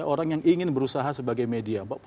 orang yang ingin berusaha sebagai media